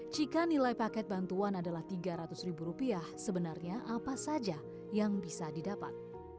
jika nilai paket bantuan adalah rp tiga ratus ribu rupiah sebenarnya apa saja yang bisa didapat